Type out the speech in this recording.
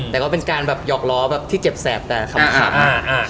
แต่ก็เป็นการแบบหยอกล้อแบบที่เจ็บแสบแต่ขำ